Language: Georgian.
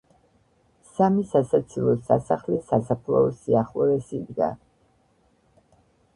სამი სასაცილო სასახლე სასაფლაოს სიახლოვეს იდგა.